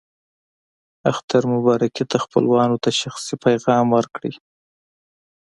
اختر مبارکي ته خپلوانو ته شخصي پیغام ورکړئ.